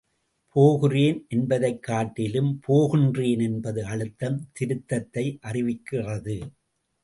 போகிறேன் என்பதைக்காட்டிலும் போகின்றேன் என்பது அழுத்தம் திருத்தத்தை அறிவிக்கிறது.